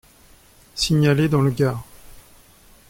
Signalé dans le Gard.